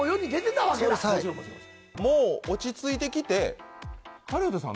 もう落ち着いてきて狩人さん